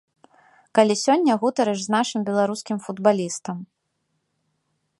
Калі сёння гутарыш з нашым беларускім футбалістам.